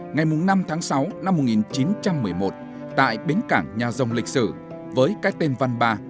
ngày năm tháng sáu năm một nghìn chín trăm một mươi một tại bến cảng nhà dông lịch sử với cái tên văn ba